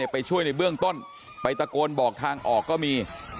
ไปช่วยในเบื้องต้นไปตะโกนบอกทางออกก็มี